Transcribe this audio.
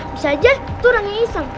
bisa aja itu orang yang iseng